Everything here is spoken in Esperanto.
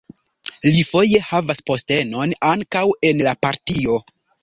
Li foje havas postenon ankaŭ en la partio.